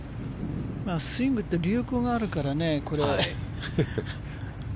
スイングって流行があるからね。